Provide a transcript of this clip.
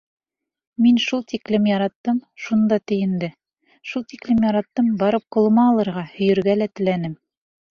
Мин шул тиклем яраттым шунда тейенде, шул тиклем яраттым — барып ҡулыма айырға, Һөйөргә теләнем...